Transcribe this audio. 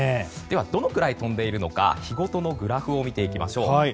ではどのくらい飛んでいるのが日ごとのグラフを見ていきましょう。